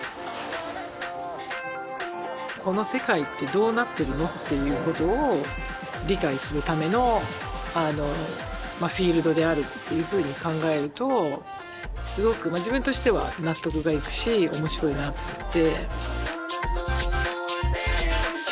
「この世界ってどうなってるの？」っていうことを理解するためのフィールドであるっていうふうに考えるとすごく自分としては納得がいくし面白いなって。